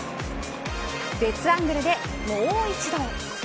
別アングルでもう一度。